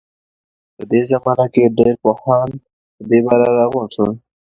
په دې زمانه کې ډېر پوهان په درباره کې راغونډ شول.